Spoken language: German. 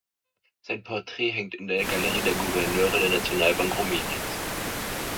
Sein Porträt hängt in der Galerie der Gouverneure der Nationalbank Rumäniens.